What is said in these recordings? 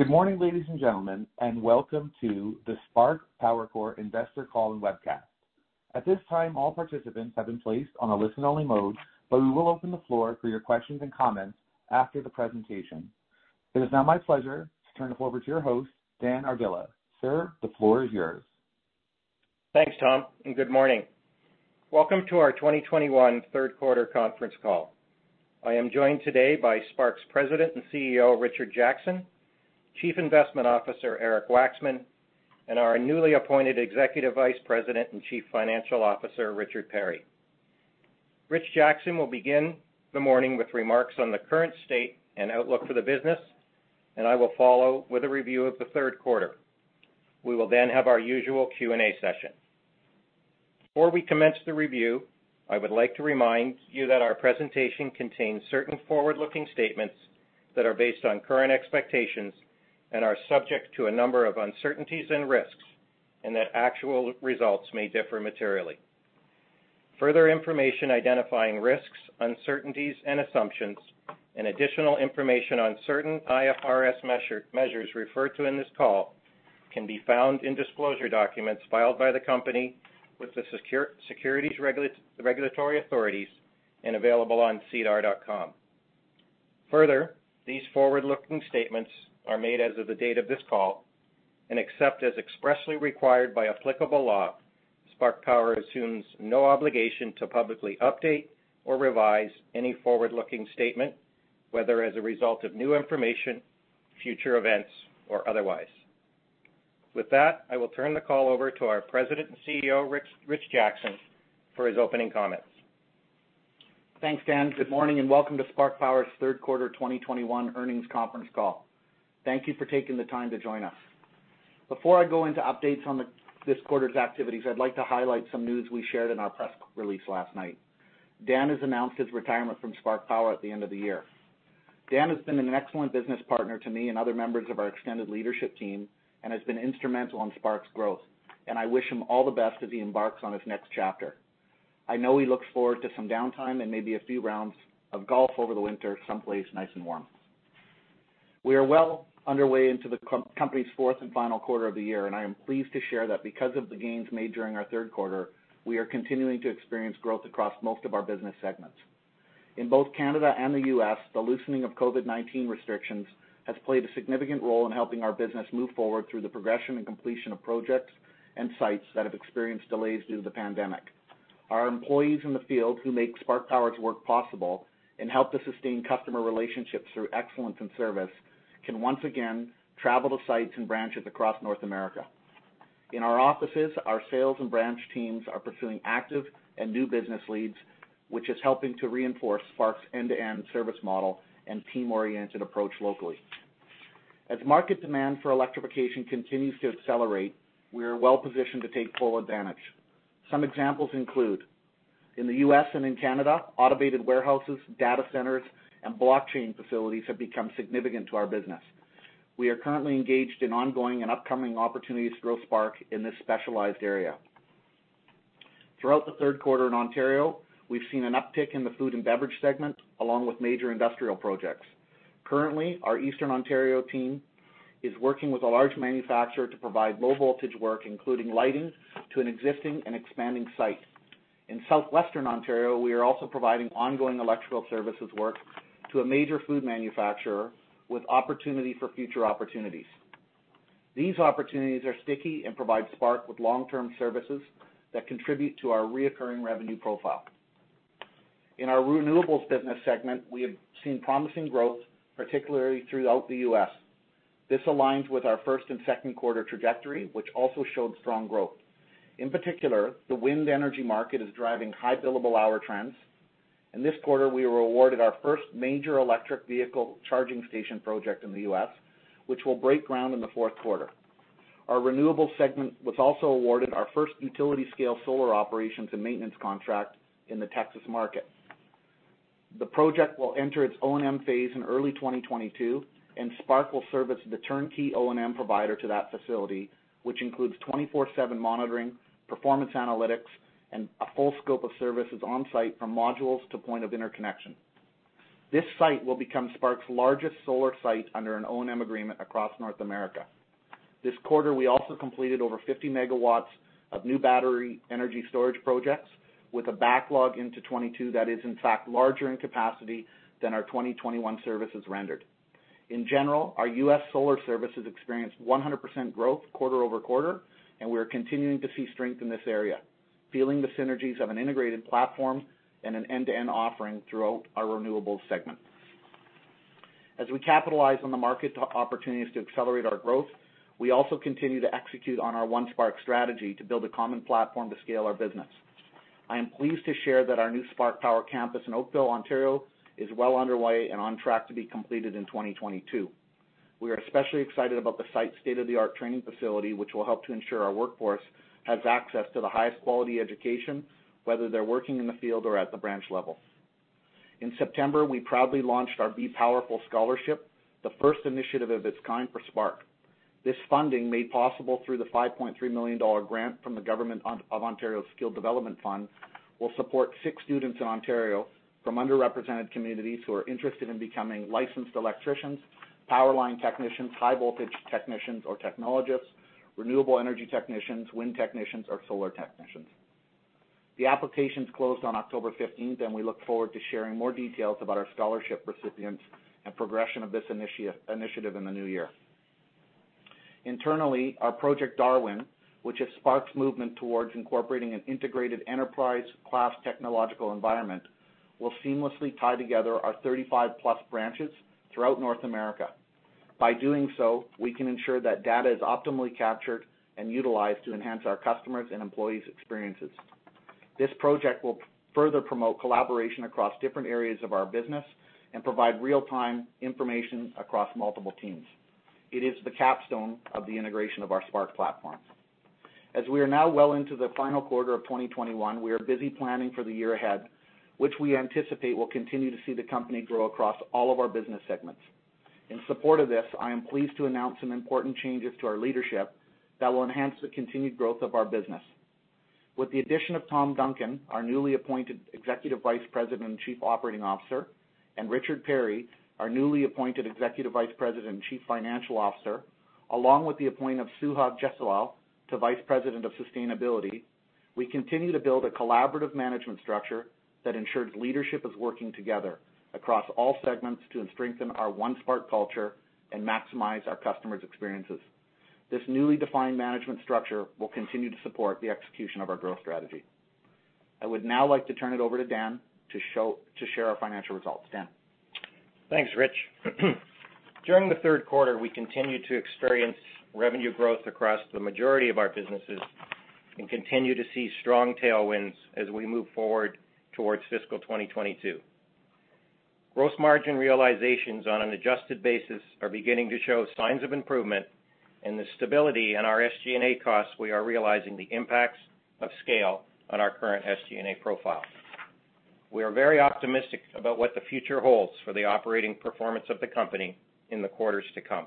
Good morning, ladies and gentlemen, and welcome to the Spark Power Corp Investor Call and Webcast. At this time, all participants have been placed on a listen-only mode, but we will open the floor for your questions and comments after the presentation. It is now my pleasure to turn it over to your host, Dan Ardila. Sir, the floor is yours. Thanks, Tom, and good morning. Welcome to our 2021 Q3 conference call. I am joined today by Spark's President and CEO, Richard Jackson, Chief Investment Officer, Eric Waxman, and our newly appointed Executive Vice President and Chief Financial Officer, Richard Perri. Rich Jackson will begin the morning with remarks on the current state and outlook for the business, and I will follow with a review of the Q3. We will then have our usual Q&A session. Before we commence the review, I would like to remind you that our presentation contains certain forward-looking statements that are based on current expectations and are subject to a number of uncertainties and risks, and that actual results may differ materially. Further information identifying risks, uncertainties, and assumptions, and additional information on certain IFRS measures referred to in this call can be found in disclosure documents filed by the company with the securities regulatory authorities and available on sedar.com. Further, these forward-looking statements are made as of the date of this call, and except as expressly required by applicable law, Spark Power assumes no obligation to publicly update or revise any forward-looking statement, whether as a result of new information, future events, or otherwise. With that, I will turn the call over to our President and CEO, Rich Jackson, for his opening comments. Thanks, Dan. Good morning, and welcome to Spark Power's Q3 2021 earnings conference call. Thank you for taking the time to join us. Before I go into updates on this quarter's activities, I'd like to highlight some news we shared in our press release last night. Dan has announced his retirement from Spark Power at the end of the year. Dan has been an excellent business partner to me and other members of our extended leadership team and has been instrumental in Spark's growth, and I wish him all the best as he embarks on his next chapter. I know he looks forward to some downtime and maybe a few rounds of golf over the winter someplace nice and warm. We are well underway into the company's fourth and final quarter of the year, and I am pleased to share that because of the gains made during our Q3, we are continuing to experience growth across most of our business segments. In both Canada and the U.S., the loosening of COVID-19 restrictions has played a significant role in helping our business move forward through the progression and completion of projects and sites that have experienced delays due to the pandemic. Our employees in the field who make Spark Power's work possible and help to sustain customer relationships through excellence in service can once again travel to sites and branches across North America. In our offices, our sales and branch teams are pursuing active and new business leads, which is helping to reinforce Spark's end-to-end service model and team-oriented approach locally. As market demand for electrification continues to accelerate, we are well-positioned to take full advantage. Some examples include in the U.S. and in Canada automated warehouses, data centers, and blockchain facilities that have become significant to our business. We are currently engaged in ongoing and upcoming opportunities to grow Spark in this specialized area. Throughout the Q3 in Ontario, we've seen an uptick in the food and beverage segment, along with major industrial projects. Currently, our Eastern Ontario team is working with a large manufacturer to provide low-voltage work, including lighting, to an existing and expanding site. In southwestern Ontario, we are also providing ongoing electrical services work to a major food manufacturer with opportunity for future opportunities. These opportunities are sticky and provide Spark with long-term services that contribute to our recurring revenue profile. In our renewables business segment, we have seen promising growth, particularly throughout the U.S. This aligns with our Q1 and Q2 trajectory, which also showed strong growth. In particular, the wind energy market is driving high billable hour trends. In this quarter, we were awarded our first major electric vehicle charging station project in the U.S., which will break ground in the Q4. Our renewable segment was also awarded our first utility-scale solar operations and maintenance contract in the Texas market. The project will enter its O&M phase in early 2022, and Spark will service the turnkey O&M provider to that facility, which includes 24/7 monitoring, performance analytics, and a full scope of services on-site from modules to point of interconnection. This site will become Spark's largest solar site under an O&M agreement across North America. This quarter, we also completed over 50 MW of new battery energy storage projects with a backlog into 2022 that is, in fact, larger in capacity than our 2021 services rendered. In general, our U.S. solar services experienced 100% growth quarter-over-quarter, and we are continuing to see strength in this area, feeling the synergies of an integrated platform and an end-to-end offering throughout our Renewables segment. As we capitalize on the market opportunities to accelerate our growth, we also continue to execute on our One Spark strategy to build a common platform to scale our business. I am pleased to share that our new Spark Power campus in Oakville, Ontario, is well underway and on track to be completed in 2022. We are especially excited about the site's state-of-the-art training facility, which will help to ensure our workforce has access to the highest quality education, whether they're working in the field or at the branch level. In September, we proudly launched our Be Powerful scholarship, the first initiative of its kind for Spark. This funding made possible through the 5.3 million dollar grant from the government of Ontario Skills Development Fund will support six students in Ontario from underrepresented communities who are interested in becoming licensed electricians, power line technicians, high voltage technicians or technologists, renewable energy technicians, wind technicians or solar technicians. The applications closed on October 15th, and we look forward to sharing more details about our scholarship recipients and progression of this initiative in the new year. Internally, our Project Darwin, which has sparked movement towards incorporating an integrated enterprise class technological environment, will seamlessly tie together our 35+ branches throughout North America. By doing so, we can ensure that data is optimally captured and utilized to enhance our customers' and employees' experiences. This project will further promote collaboration across different areas of our business and provide real time information across multiple teams. It is the capstone of the integration of our Spark platform. As we are now well into the final quarter of 2021, we are busy planning for the year ahead, which we anticipate will continue to see the company grow across all of our business segments. In support of this, I am pleased to announce some important changes to our leadership that will enhance the continued growth of our business. With the addition of Tom Duncan, our newly appointed Executive Vice President and Chief Operating Officer, and Richard Perri, our newly appointed Executive Vice President and Chief Financial Officer, along with the appoint of Suha Jethalal to Vice President of Sustainability, we continue to build a collaborative management structure that ensures leadership is working together across all segments to strengthen our One Spark culture and maximize our customers' experiences. This newly defined management structure will continue to support the execution of our growth strategy. I would now like to turn it over to Dan to share our financial results. Dan. Thanks, Rich. During the Q3, we continued to experience revenue growth across the majority of our businesses and continue to see strong tailwinds as we move forward towards fiscal 2022. Gross margin realizations on an adjusted basis are beginning to show signs of improvement and the stability in our SG&A costs, we are realizing the impacts of scale on our current SG&A profile. We are very optimistic about what the future holds for the operating performance of the company in the quarters to come.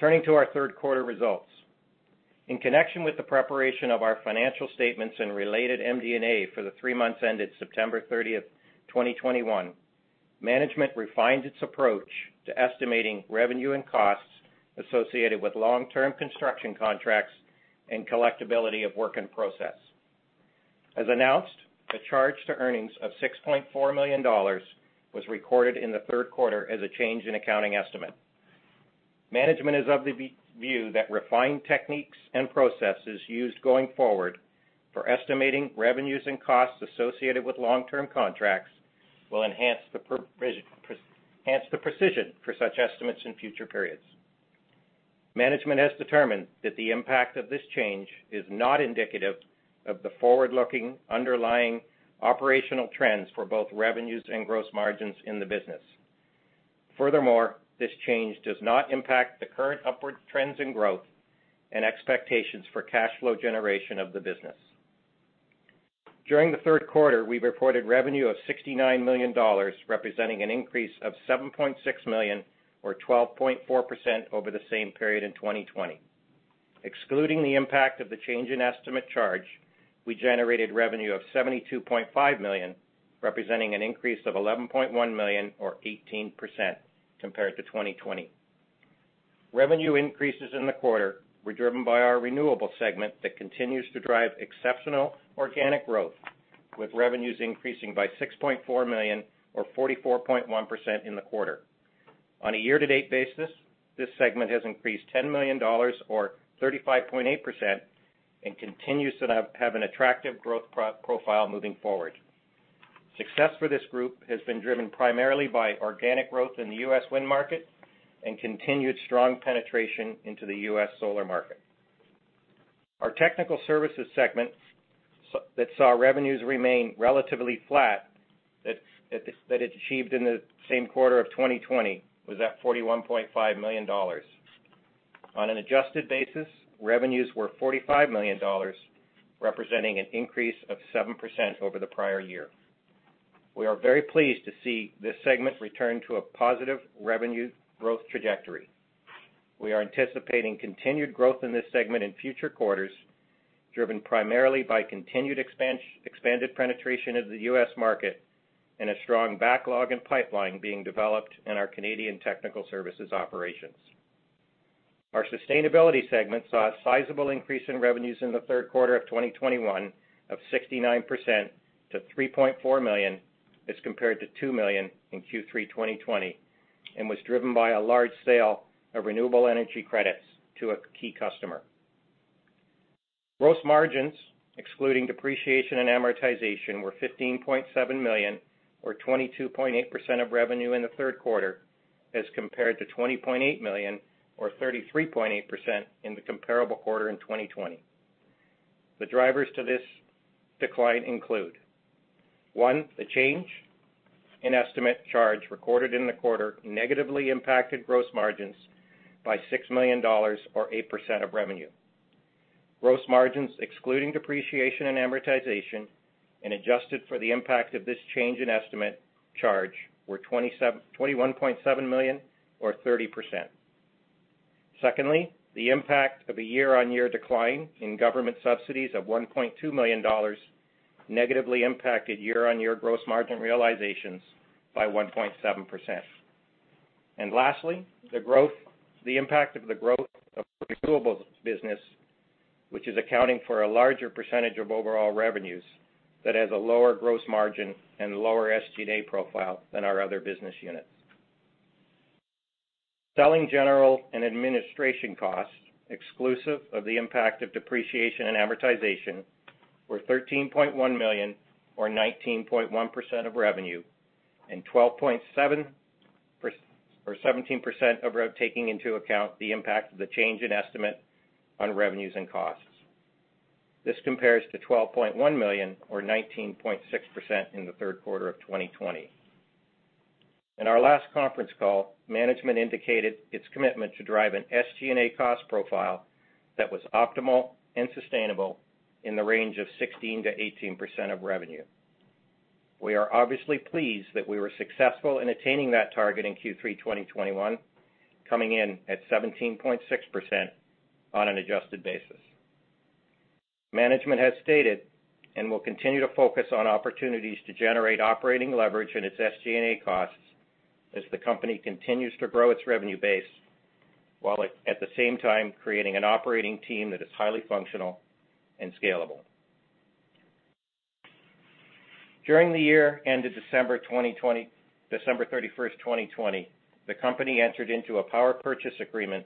Turning to our Q3 results. In connection with the preparation of our financial statements and related MD&A for the three months ended September 30, 2021, management refined its approach to estimating revenue and costs associated with long-term construction contracts and collectibility of work in process. As announced, a charge to earnings of 6.4 million dollars was recorded in the Q3 as a change in accounting estimate. Management is of the view that refined techniques and processes used going forward for estimating revenues and costs associated with long-term contracts will enhance the precision for such estimates in future periods. Management has determined that the impact of this change is not indicative of the forward-looking, underlying operational trends for both revenues and gross margins in the business. Furthermore, this change does not impact the current upward trends in growth and expectations for cash flow generation of the business. During the Q3, we reported revenue of 69 million dollars, representing an increase of 7.6 million or 12.4% over the same period in 2020. Excluding the impact of the change in estimate charge, we generated revenue of 72.5 million, representing an increase of 11.1 million or 18% compared to 2020. Revenue increases in the quarter were driven by our Renewables segment that continues to drive exceptional organic growth, with revenues increasing by 6.4 million or 44.1% in the quarter. On a year-to-date basis, this segment has increased 10 million dollars, or 35.8%, and continues to have an attractive growth profile moving forward. Success for this group has been driven primarily by organic growth in the U.S. wind market and continued strong penetration into the U.S. solar market. Our Technical Services segment that saw revenues remain relatively flat that it achieved in the same quarter of 2020 was at 41.5 million dollars. On an adjusted basis, revenues were 45 million dollars, representing an increase of 7% over the prior year. We are very pleased to see this segment return to a positive revenue growth trajectory. We are anticipating continued growth in this segment in future quarters, driven primarily by continued expanded penetration of the U.S. market and a strong backlog and pipeline being developed in our Canadian technical services operations. Our Sustainability segment saw a sizable increase in revenues in the Q3 of 2021 of 69% to 3.4 million, as compared to 2 million in Q3 2020, and was driven by a large sale of renewable energy credits to a key customer. Gross margins, excluding depreciation and amortization, were 15.7 million, or 22.8% of revenue in the Q3, as compared to 20.8 million or 33.8% in the comparable quarter in 2020. The drivers to this decline include, one, the change in estimate charge recorded in the quarter negatively impacted gross margins by 6 million dollars or 8% of revenue. Gross margins excluding depreciation and amortization and adjusted for the impact of this change in estimate charge were 21.7 million or 30%. Secondly, the impact of a year-on-year decline in government subsidies of 1.2 million dollars negatively impacted year-on-year gross margin realizations by 1.7%. Lastly, the impact of the growth of renewables business, which is accounting for a larger percentage of overall revenues that has a lower gross margin and lower SG&A profile than our other business units. Selling, general, and administration costs exclusive of the impact of depreciation and amortization were 13.1 million or 19.1% of revenue, and 12.7 or 17% of rev, taking into account the impact of the change in estimate on revenues and costs. This compares to 12.1 million or 19.6% in the Q3 of 2020. In our last conference call, management indicated its commitment to drive an SG&A cost profile that was optimal and sustainable in the range of 16%-18% of revenue. We are obviously pleased that we were successful in attaining that target in Q3 2021, coming in at 17.6% on an adjusted basis. Management has stated and will continue to focus on opportunities to generate operating leverage in its SG&A costs as the company continues to grow its revenue base, while at the same time creating an operating team that is highly functional and scalable. During the year ended December 31, 2020, the company entered into a power purchase agreement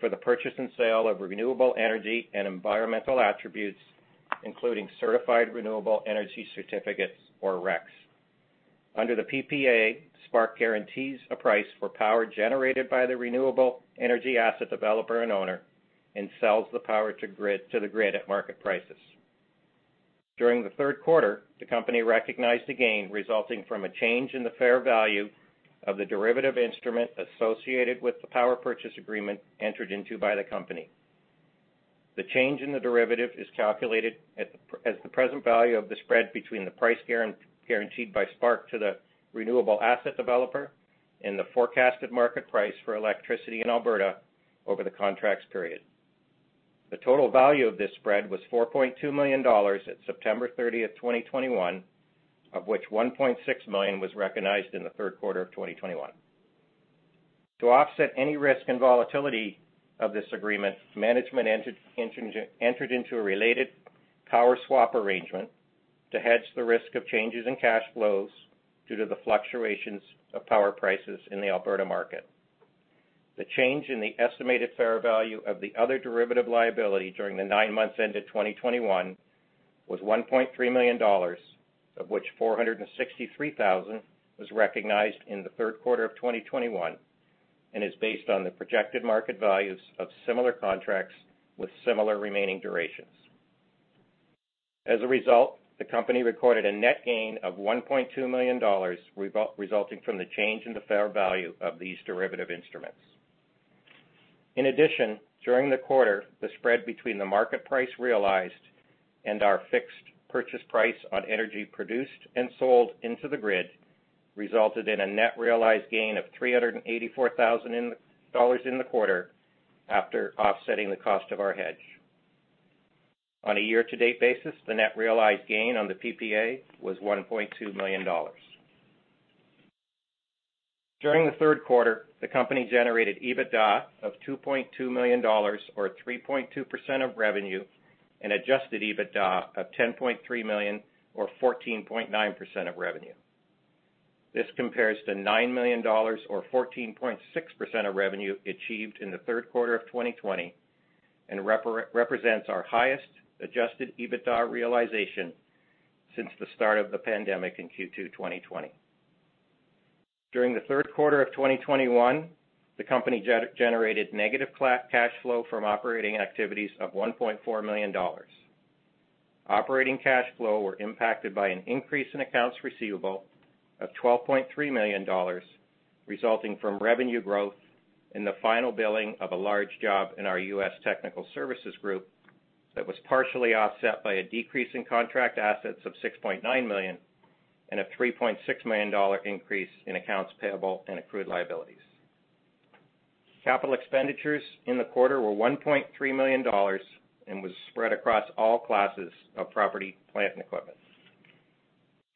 for the purchase and sale of renewable energy and environmental attributes, including certified renewable energy certificates or RECs. Under the PPA, Spark guarantees a price for power generated by the renewable energy asset developer and owner and sells the power to the grid at market prices. During the Q3, the company recognized a gain resulting from a change in the fair value of the derivative instrument associated with the power purchase agreement entered into by the company. The change in the derivative is calculated as the present value of the spread between the price guaranteed by Spark to the renewable asset developer and the forecasted market price for electricity in Alberta over the contracts period. The total value of this spread was 4.2 million dollars at September 30, 2021, of which 1.6 million was recognized in the Q3 of 2021. To offset any risk and volatility of this agreement, management entered into a related power swap arrangement to hedge the risk of changes in cash flows due to the fluctuations of power prices in the Alberta market. The change in the estimated fair value of the other derivative liability during the nine months ended 2021 was 1.3 million dollars, of which 463,000 was recognized in the Q3 of 2021 and is based on the projected market values of similar contracts with similar remaining durations. As a result, the company recorded a net gain of 1.2 million dollars resulting from the change in the fair value of these derivative instruments. In addition, during the quarter, the spread between the market price realized and our fixed purchase price on energy produced and sold into the grid resulted in a net realized gain of 384,000 dollars in the quarter after offsetting the cost of our hedge. On a year to date basis, the net realized gain on the PPA was 1.2 million dollars. During the Q3, the company generated EBITDA of 2.2 million dollars or 3.2% of revenue and adjusted EBITDA of 10.3 million or 14.9% of revenue. This compares to 9 million dollars or 14.6% of revenue achieved in the Q3 of 2020 and represents our highest adjusted EBITDA realization since the start of the pandemic in Q2 2020. During the Q3 of 2021, the company generated negative cash flow from operating activities of 1.4 million dollars. Operating cash flow were impacted by an increase in accounts receivable of 12.3 million dollars resulting from revenue growth in the final billing of a large job in our U.S. technical services group that was partially offset by a decrease in contract assets of 6.9 million and a 3.6 million dollar increase in accounts payable and accrued liabilities. Capital expenditures in the quarter were 1.3 million dollars and was spread across all classes of property, plant, and equipment.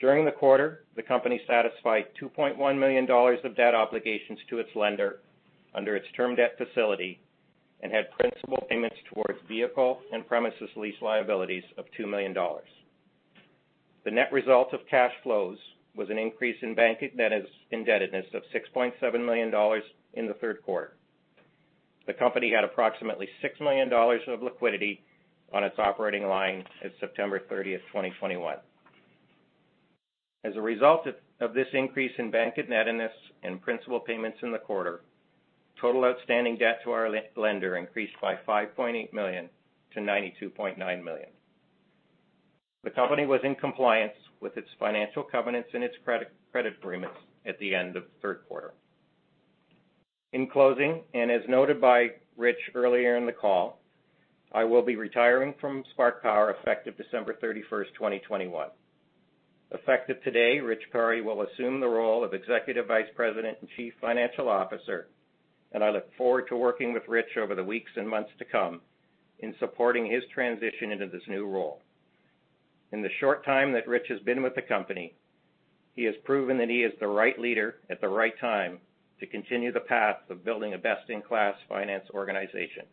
During the quarter, the company satisfied 2.1 million dollars of debt obligations to its lender under its term debt facility and had principal payments towards vehicle and premises lease liabilities of 2 million dollars. The net result of cash flows was an increase in bank indebtedness of 6.7 million dollars in the Q3. The company had approximately 6 million dollars of liquidity on its operating line as of September 30, 2021. As a result of this increase in bank indebtedness and principal payments in the quarter, total outstanding debt to our lender increased by 5.8 million to 92.9 million. The company was in compliance with its financial covenants and its credit agreements at the end of the Q3. in closing, as noted by Rich earlier in the call, I will be retiring from Spark Power effective December 31, 2021. Effective today, Rich Perri will assume the role of Executive Vice President and Chief Financial Officer, and I look forward to working with Rich over the weeks and months to come in supporting his transition into this new role. In the short time that Rich has been with the company, he has proven that he is the right leader at the right time to continue the path of building a best-in-class finance organization.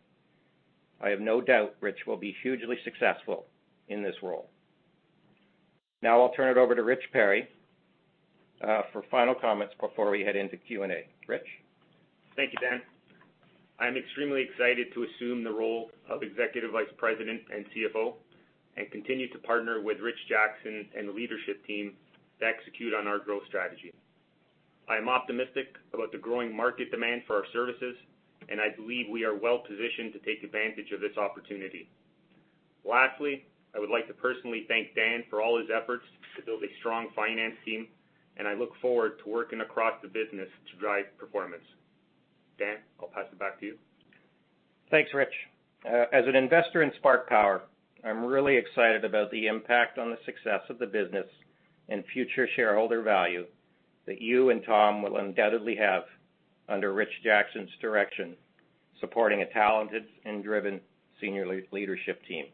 I have no doubt Rich will be hugely successful in this role. Now I'll turn it over to Rich Perri for final comments before we head into Q&A. Rich? Thank you, Dan. I'm extremely excited to assume the role of Executive Vice President and CFO and continue to partner with Rich Jackson and the leadership team to execute on our growth strategy. I am optimistic about the growing market demand for our services, and I believe we are well-positioned to take advantage of this opportunity. Lastly, I would like to personally thank Dan for all his efforts to build a strong finance team, and I look forward to working across the business to drive performance. Dan, I'll pass it back to you. Thanks, Rich. As an investor in Spark Power, I'm really excited about the impact on the success of the business and future shareholder value that you and Tom will undoubtedly have under Rich Jackson's direction, supporting a talented and driven senior leadership team.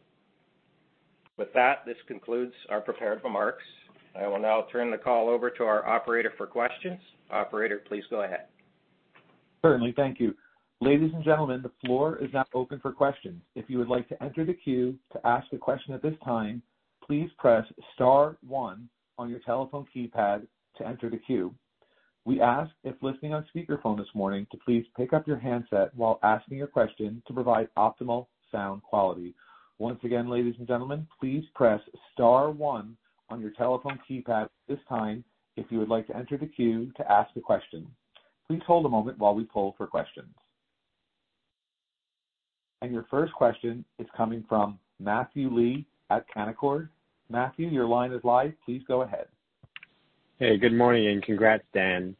With that, this concludes our prepared remarks. I will now turn the call over to our operator for questions. Operator, please go ahead. Certainly. Thank you. Ladies and gentlemen, the floor is now open for questions. If you would like to enter the queue to ask a question at this time, please press star one on your telephone keypad to enter the queue. We ask, if listening on speakerphone this morning, to please pick up your handset while asking your question to provide optimal sound quality. Once again, ladies and gentlemen, please press star one on your telephone keypad at this time if you would like to enter the queue to ask a question. Please hold a moment while we poll for questions. Your first question is coming from Matthew Lee at Canaccord. Matthew, your line is live. Please go ahead. Hey, good morning, and congrats, Dan.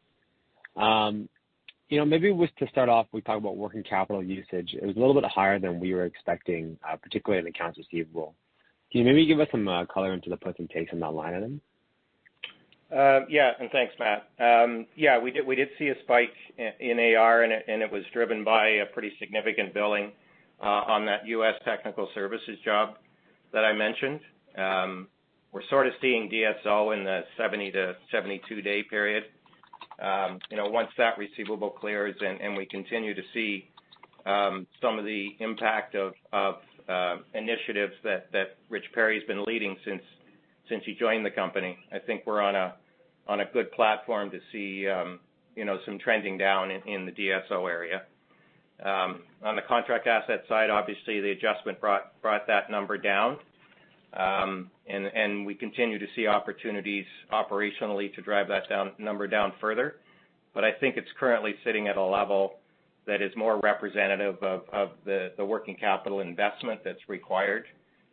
You know, to start off, we talk about working capital usage. It was a little bit higher than we were expecting, particularly in accounts receivable. Can you maybe give us some color into the puts and takes on that line item? Yeah, thanks, Matt. Yeah, we did see a spike in AR, and it was driven by a pretty significant billing on that U.S. technical services job that I mentioned. We're sort of seeing DSO in the 70-72-day period. You know, once that receivable clears and we continue to see some of the impact of initiatives that Richard Perri's been leading since he joined the company, I think we're on a good platform to see you know some trending down in the DSO area. On the contract asset side, obviously the adjustment brought that number down, and we continue to see opportunities operationally to drive that number down further. I think it's currently sitting at a level that is more representative of the working capital investment that's required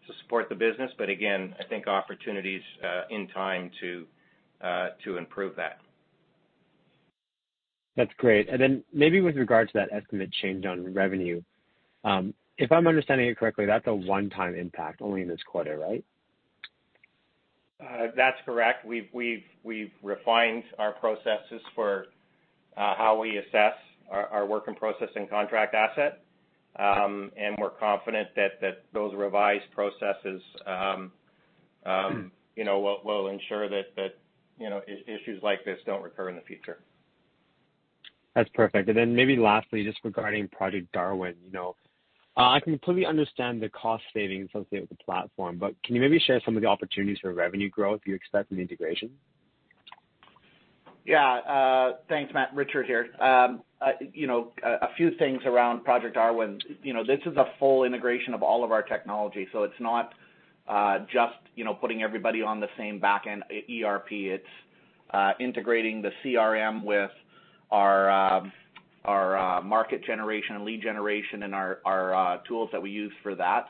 to support the business. Again, I think opportunities in time to improve that. That's great. Maybe with regards to that estimate change on revenue, if I'm understanding it correctly, that's a one-time impact only in this quarter, right? That's correct. We've refined our processes for how we assess our work in process and contract asset. We're confident that those revised processes, you know, will ensure that, you know, issues like this don't recur in the future. That's perfect. Then maybe lastly, just regarding Project Darwin, you know, I completely understand the cost savings associated with the platform, but can you maybe share some of the opportunities for revenue growth you expect in integration? Yeah. Thanks, Matt. Richard here. You know, a few things around Project Darwin. You know, this is a full integration of all of our technology, so it's not just, you know, putting everybody on the same back-end ERP. It's integrating the CRM with our market generation and lead generation and our tools that we use for that.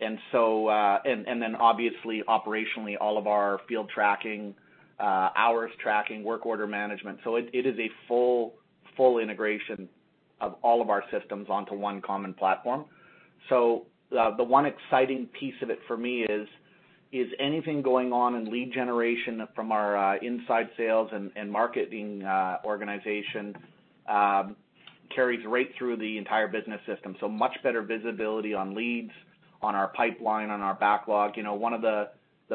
Then obviously, operationally, all of our field tracking, hours tracking, work order management. It is a full integration of all of our systems onto one common platform. The one exciting piece of it for me is anything going on in lead generation from our inside sales and marketing organization carries right through the entire business system. Much better visibility on leads, on our pipeline, on our backlog. You know, one of the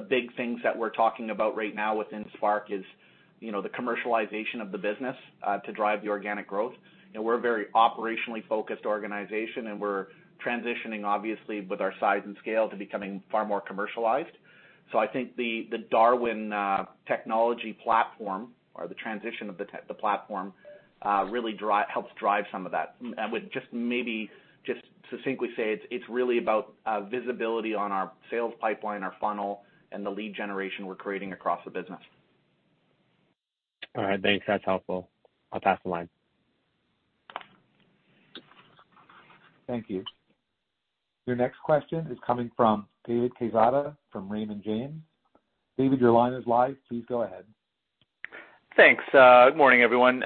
big things that we're talking about right now within Spark is, you know, the commercialization of the business to drive the organic growth. You know, we're a very operationally focused organization, and we're transitioning, obviously, with our size and scale to becoming far more commercialized. I think the Darwin technology platform or the transition of the platform really helps drive some of that. And with just maybe just succinctly say it's really about visibility on our sales pipeline, our funnel, and the lead generation we're creating across the business. All right. Thanks. That's helpful. I'll pass the line. Thank you. Your next question is coming from David Quezada from Raymond James. David, your line is live. Please go ahead. Thanks. Good morning, everyone.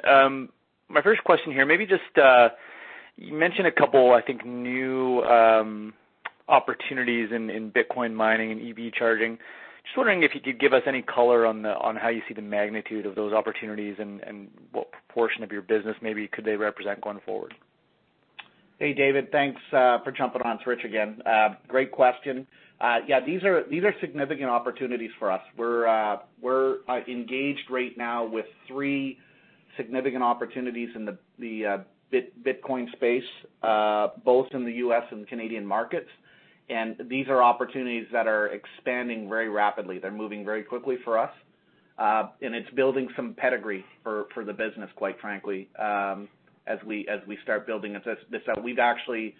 My first question here, maybe just, you mentioned a couple, I think, new opportunities in Bitcoin mining and EV charging. Just wondering if you could give us any color on how you see the magnitude of those opportunities and what proportion of your business maybe could they represent going forward? Hey, David. Thanks for jumping on. It's Rich again. Great question. Yeah, these are significant opportunities for us. We're engaged right now with three significant opportunities in the Bitcoin space, both in the U.S. and Canadian markets. These are opportunities that are expanding very rapidly. They're moving very quickly for us. It's building some pedigree for the business, quite frankly, as we start building this up. We've actually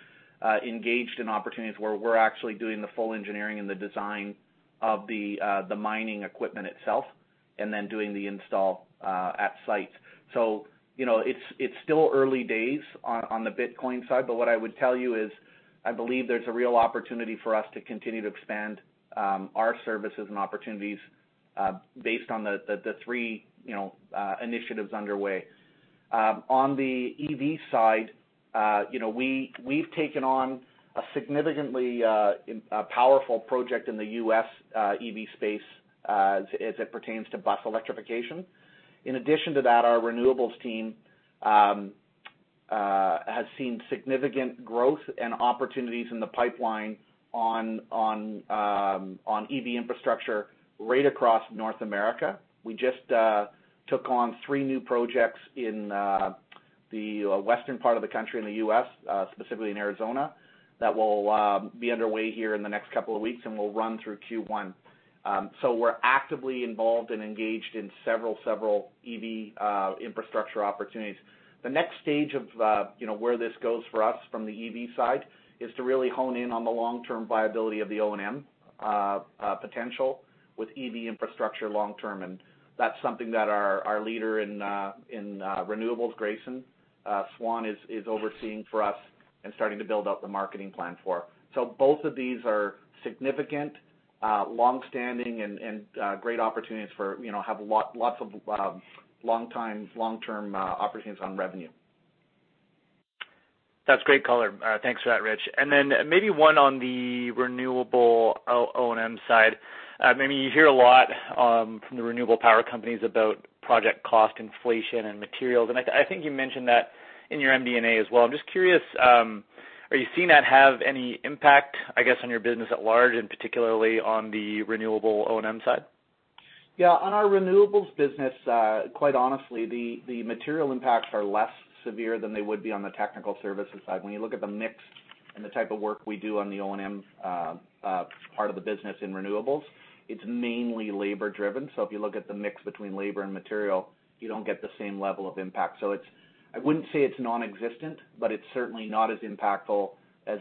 engaged in opportunities where we're actually doing the full engineering and the design of the mining equipment itself, and then doing the install at site. You know, it's still early days on the Bitcoin side, but what I would tell you is I believe there's a real opportunity for us to continue to expand our services and opportunities based on the three initiatives underway. On the EV side, you know, we've taken on a significantly powerful project in the U.S. EV space as it pertains to bus electrification. In addition to that, our renewables team has seen significant growth and opportunities in the pipeline on EV infrastructure right across North America. We just took on three new projects in the western part of the country in the U.S., specifically in Arizona, that will be underway here in the next couple of weeks, and will run through Q1. We're actively involved and engaged in several EV infrastructure opportunities. The next stage of you know where this goes for us from the EV side is to really hone in on the long-term viability of the O&M potential with EV infrastructure long term. That's something that our leader in renewables, Grayson Swan, is overseeing for us and starting to build out the marketing plan for. Both of these are significant long-standing and great opportunities for you know lots of long-term opportunities on revenue. That's great color. Thanks for that, Rich. Maybe one on the renewable O&M side. I mean, you hear a lot from the renewable power companies about project cost inflation and materials, and I think you mentioned that in your MD&A as well. I'm just curious, are you seeing that have any impact, I guess, on your business at large, and particularly on the renewable O&M side? Yeah. On our renewables business, quite honestly, the material impacts are less severe than they would be on the technical services side. When you look at the mix and the type of work we do on the O&M part of the business in renewables, it's mainly labor-driven. So if you look at the mix between labor and material, you don't get the same level of impact. So it's. I wouldn't say it's nonexistent, but it's certainly not as impactful as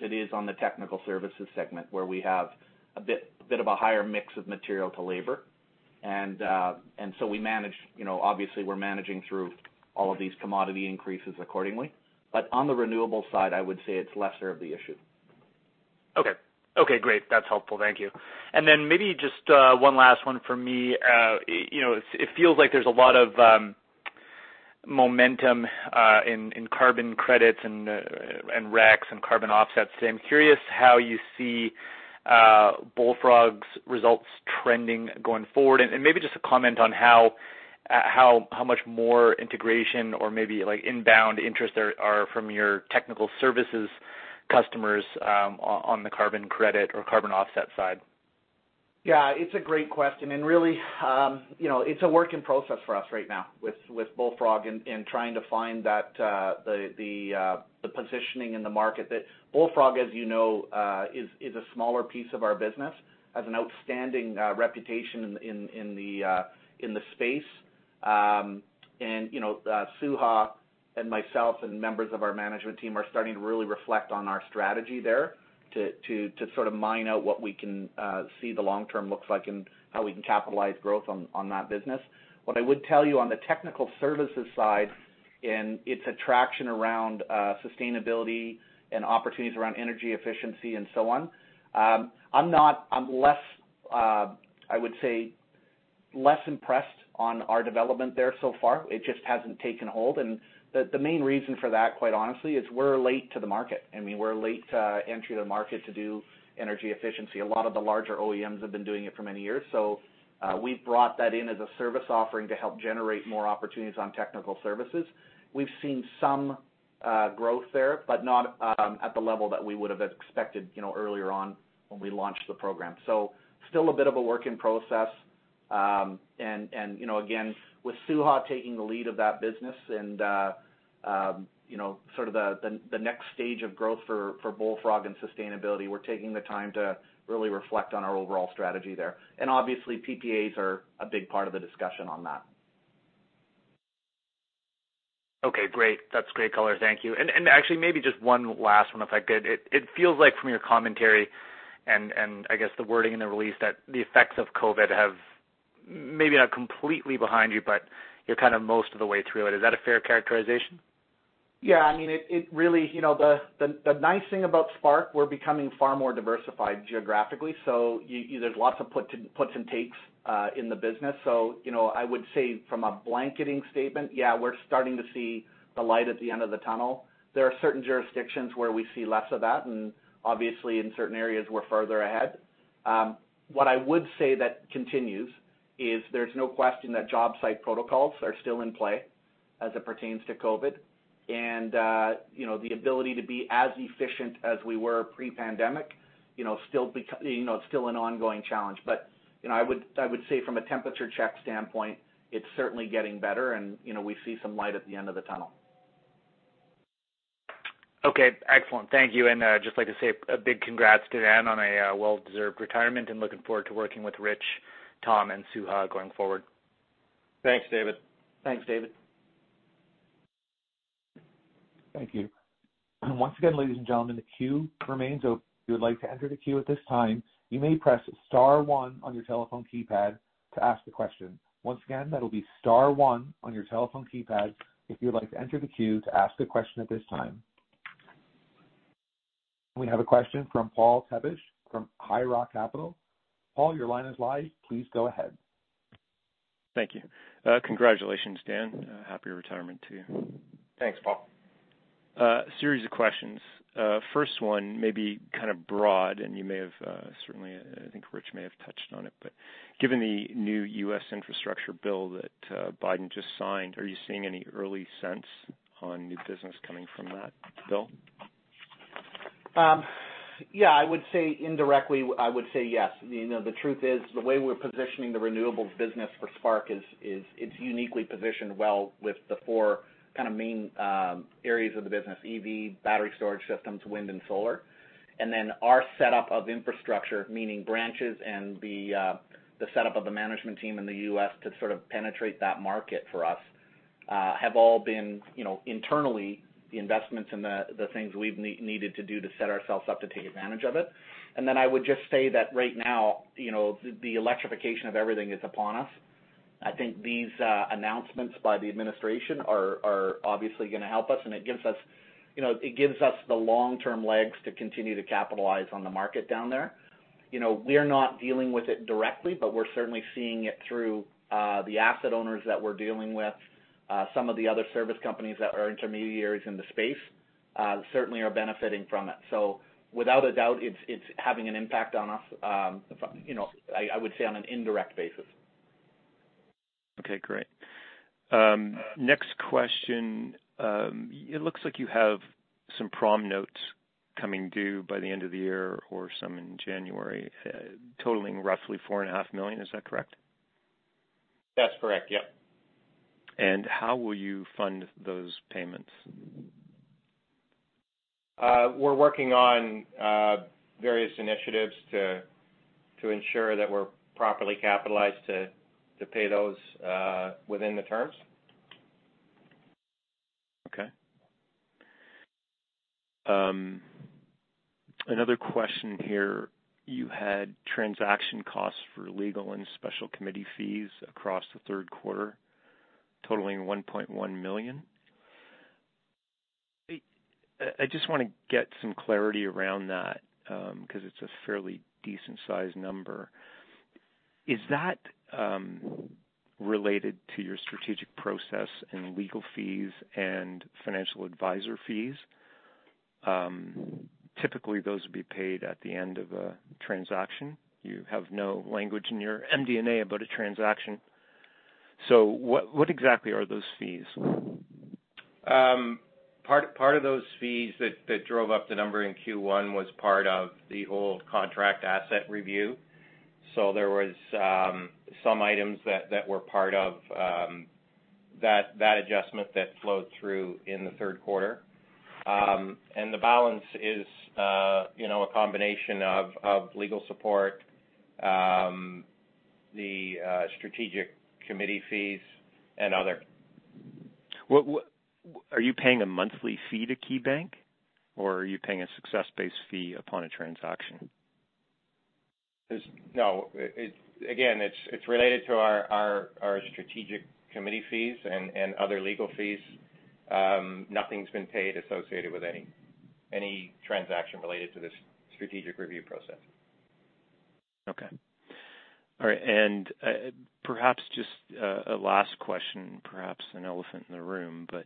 it is on the technical services segment, where we have a bit of a higher mix of material to labor. So we manage, you know, obviously we're managing through all of these commodity increases accordingly. On the renewable side, I would say it's lesser of the issue. Okay. Okay, great. That's helpful. Thank you. Maybe just one last one for me. You know, it feels like there's a lot of momentum in carbon credits and RECs and carbon offsets. I'm curious how you see Bullfrog's results trending going forward. Maybe just a comment on how much more integration or maybe like inbound interest there are from your technical services customers on the carbon credit or carbon offset side. Yeah. It's a great question. Really, you know, it's a work in process for us right now with Bullfrog and trying to find that the positioning in the market. That Bullfrog, as you know, is a smaller piece of our business, has an outstanding reputation in the space. You know, Suha and myself and members of our management team are starting to really reflect on our strategy there to sort of mine out what we can see the long term looks like and how we can capitalize growth on that business. What I would tell you on the technical services side and its attraction around sustainability and opportunities around energy efficiency and so on, I'm less, I would say, less impressed on our development there so far. It just hasn't taken hold. The main reason for that, quite honestly, is we're late to the market. I mean, we're a late entry to the market to do energy efficiency. A lot of the larger OEMs have been doing it for many years. We've brought that in as a service offering to help generate more opportunities on technical services. We've seen some growth there, but not at the level that we would have expected, you know, earlier on when we launched the program. Still a bit of a work in process. You know, again, with Suha taking the lead of that business and, you know, sort of the next stage of growth for Bullfrog and sustainability, we're taking the time to really reflect on our overall strategy there. Obviously, PPAs are a big part of the discussion on that. Okay, great. That's great color. Thank you. Actually maybe just one last one if I could. It feels like from your commentary and I guess the wording in the release that maybe not completely behind you, but you're kind of most of the way through it. Is that a fair characterization? Yeah, I mean, you know, the nice thing about Spark, we're becoming far more diversified geographically, so there's lots of puts and takes in the business. You know, I would say from a blanket statement, yeah, we're starting to see the light at the end of the tunnel. There are certain jurisdictions where we see less of that, and obviously, in certain areas, we're further ahead. What I would say that continues is there's no question that job site protocols are still in play as it pertains to COVID. You know, the ability to be as efficient as we were pre-pandemic, you know, it's still an ongoing challenge. You know, I would say from a temperature check standpoint, it's certainly getting better and, you know, we see some light at the end of the tunnel. Okay, excellent. Thank you. I just like to say a big congrats to Dan on a well-deserved retirement, and looking forward to working with Rich, Tom, and Suha going forward. Thanks, David. Thanks, David. Thank you. Once again, ladies and gentlemen, the queue remains open. If you would like to enter the queue at this time, you may press star one on your telephone keypad to ask the question. Once again, that'll be star one on your telephone keypad if you'd like to enter the queue to ask a question at this time. We have a question from Paul Tebbe from High Rock Capital. Paul, your line is live. Please go ahead. Thank you. Congratulations, Dan. A happy retirement to you. Thanks, Paul. Series of questions. First one may be kind of broad, and you may have, certainly, I think Rich may have touched on it. Given the new U.S. infrastructure bill that Biden just signed, are you seeing any early sense on new business coming from that bill? Yeah, I would say indirectly, I would say yes. You know, the truth is, the way we're positioning the renewables business for Spark is it's uniquely positioned well with the four kind of main areas of the business, EV, battery storage systems, wind and solar. Our setup of infrastructure, meaning branches and the setup of the management team in the U.S. to sort of penetrate that market for us have all been, you know, internally, the investments and the things we've needed to do to set ourselves up to take advantage of it. I would just say that right now, you know, the electrification of everything is upon us. I think these announcements by the administration are obviously gonna help us, and it gives us, you know, it gives us the long-term legs to continue to capitalize on the market down there. You know, we're not dealing with it directly, but we're certainly seeing it through the asset owners that we're dealing with. Some of the other service companies that are intermediaries in the space certainly are benefiting from it. Without a doubt, it's having an impact on us, you know, I would say on an indirect basis. Okay, great. Next question. It looks like you have some prom notes coming due by the end of the year or some in January, totaling roughly 4.5 million. Is that correct? That's correct, yep. How will you fund those payments? We're working on various initiatives to ensure that we're properly capitalized to pay those within the terms. Okay. Another question here. You had transaction costs for legal and special committee fees across the Q3, totaling CAD 1.1 million. I just wanna get some clarity around that, 'cause it's a fairly decent-sized number. Is that related to your strategic process and legal fees and financial advisor fees? Typically, those would be paid at the end of a transaction. You have no language in your MD&A about a transaction. What exactly are those fees? Part of those fees that drove up the number in Q1 was part of the old contract asset review. There was some items that were part of that adjustment that flowed through in the Q3. The balance is, you know, a combination of legal support, the strategic committee fees and other. Are you paying a monthly fee to KeyBanc, or are you paying a success-based fee upon a transaction? No. Again, it's related to our strategic committee fees and other legal fees. Nothing's been paid associated with any transaction related to this strategic review process. Okay. All right. Perhaps just a last question, perhaps an elephant in the room, but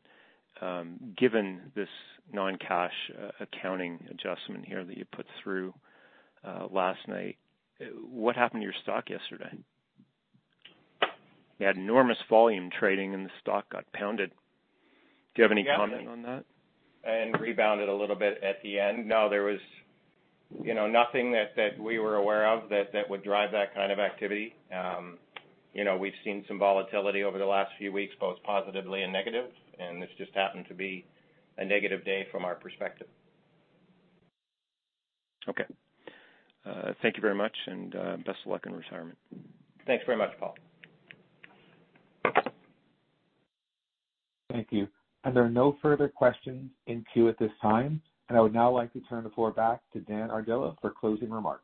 given this non-cash accounting adjustment here that you put through last night, what happened to your stock yesterday? You had enormous volume trading, and the stock got pounded. Do you have any comment on that? Rebounded a little bit at the end. No, there was, you know, nothing that we were aware of that would drive that kind of activity. You know, we've seen some volatility over the last few weeks, both positive and negative, and this just happened to be a negative day from our perspective. Okay. Thank you very much, and best of luck in retirement. Thanks very much, Paul. Thank you. There are no further questions in queue at this time. I would now like to turn the floor back to Dan Ardila for closing remarks.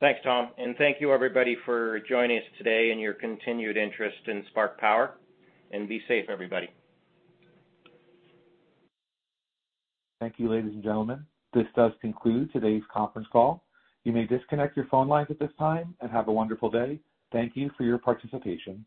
Thanks, Tom. Thank you, everybody, for joining us today and your continued interest in Spark Power. Be safe, everybody. Thank you, ladies and gentlemen. This does conclude today's conference call. You may disconnect your phone lines at this time, and have a wonderful day. Thank you for your participation.